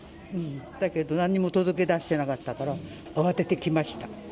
だけど、なんにも届け出してなかったから、慌てて来ました。